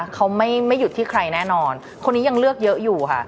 เขาไม่หยุดที่ใครแน่นอนคนนี้ยังเลือกเยอะอยู่ค่ะ